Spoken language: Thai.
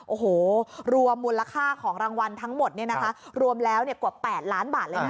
โอ้โหรวมมูลค่าของรางวัลทั้งหมดเนี่ยนะคะรวมแล้วกว่า๘ล้านบาทเลยนะ